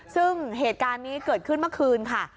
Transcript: ซึ่งเหตุการณ์นี้เกิดขึ้นเมื่อคืนค่ะ